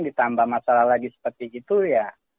ditambah masalah lagi seperti itu ya